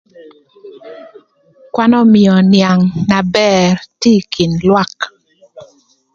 Kwan ömïö nïang na bër tye ï kin lwak.